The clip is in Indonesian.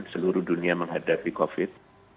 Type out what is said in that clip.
seluruh dunia menghadapi covid